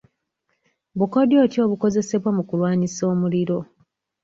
Bukodyo ki obukozesebwa mu kulwanyisa omuliro?